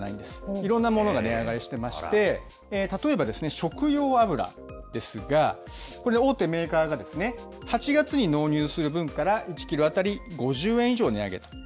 いろんなものが値上がりしてまして、例えば食用油ですが、大手メーカーが８月に納入する分から１キロ当たり５０円以上値上げと。